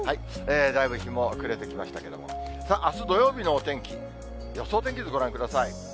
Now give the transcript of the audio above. だいぶ日も暮れてきましたけども、あす土曜日のお天気、予想天気図ご覧ください。